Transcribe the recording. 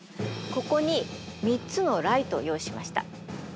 ここに３つのライトを用意しました。